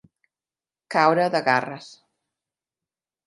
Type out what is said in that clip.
Caure de garres.